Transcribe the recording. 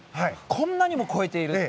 こんなにも越えている。